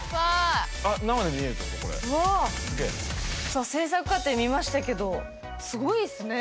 さあ制作過程見ましたけどすごいですね。